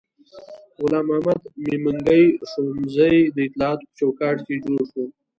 غلام محمد میمنګي ښوونځی د اطلاعاتو په چوکاټ کې جوړ شو.